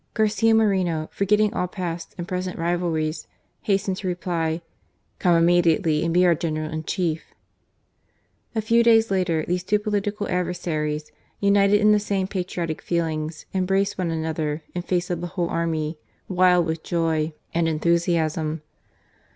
Garcia Moreno, forgetting all past and present rivalries, hastened to reply :" Come imme diately and be our General in Chief." A few days later these two political adversaries, united in the same patriotic feelings, embraced one another in face of the whole army, wild with joy and enthusiasm.